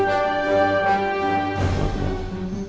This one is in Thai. โปรดติดตามตอนต่อไป